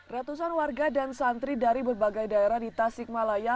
ratusan warga dan santri dari berbagai daerah di tasikmalaya